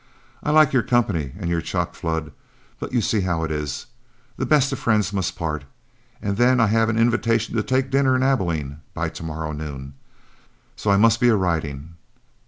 I like your company and your chuck, Flood, but you see how it is; the best of friends must part; and then I have an invitation to take dinner in Abilene by to morrow noon, so I must be a riding.